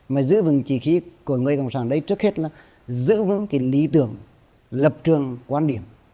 mà giữ vững trí khí của người cộng sản đây trước hết là giữ vững cái lý tưởng lập trường quan điểm